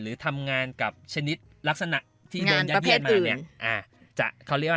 หรือทำงานกับชนิดลักษณะที่โดนยัดเยียนมาเนี่ย